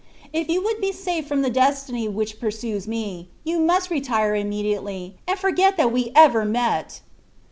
If you would be safe from the destiny which pursues me, you must retire immediately, and forget that we have met."